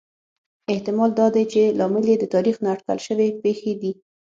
احتمال دا دی چې لامل یې د تاریخ نا اټکل شوې پېښې دي